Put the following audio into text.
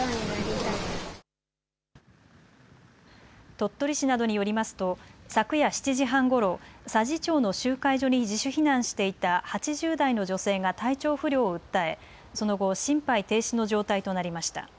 鳥取市などによりますと昨夜７時半ごろ、佐治町の集会所に自主避難していた８０代の女性が体調不良を訴えその後、心肺停止の状態となりました。